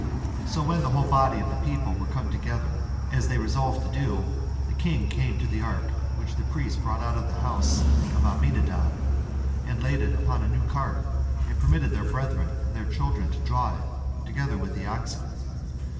So when the whole body of the people were come together, as they had resolved to do, the king came to the ark, which the priest brought out of the house of Aminadab, and laid it upon a new cart, and permitted their brethren and their children to draw it, together with the oxen.